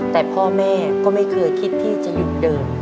แต่พ่อแม่ก็ไม่เคยคิดที่จะหยุดเดิน